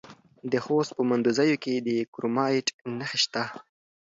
د خوست په مندوزیو کې د کرومایټ نښې شته.